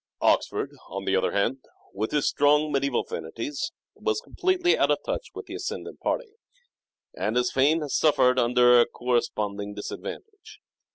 Oxford and Oxford, on the other hand, with his strong medieval affinities, was completely out of touch with the ascendant party, and his fame has suffered under a corresponding disadvantage.